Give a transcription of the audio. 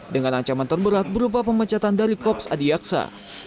dengan ancaman terberat berupa pemecatan dari kops adiaksa